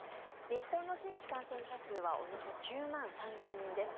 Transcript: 日本の新規感染者数はおよそ９万３０００人です。